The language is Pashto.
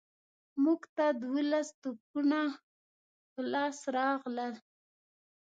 موږ ته دوولس توپونه په لاس راغلل.